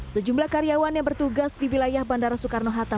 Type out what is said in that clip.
sejumlah karyawan yang bertugas di wilayah bandara soekarno hatta